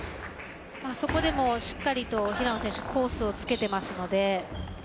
そこでも、しっかりと平野選手コースを突けていますので。